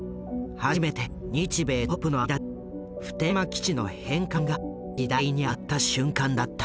初めて日米トップの間で普天間基地の返還が議題に上がった瞬間だった。